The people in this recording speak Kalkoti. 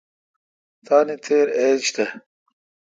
تان تھیر ایج تھ۔